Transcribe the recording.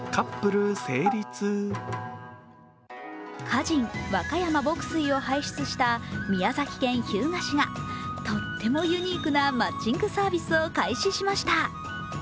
歌人・若山牧水を輩出した宮崎県日向市がとってもユニークなマッチングサービスを開始しました。